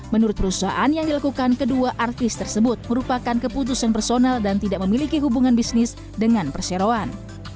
menurut perusahaan yang dilakukan kedua artis tersebut merupakan keputusan personal dan tidak memiliki hubungan bisnis dengan perseroan